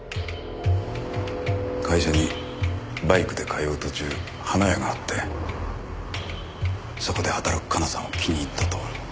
会社にバイクで通う途中花屋があってそこで働く香奈さんを気に入ったと。